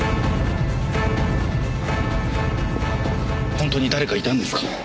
ほんとに誰かいたんですか？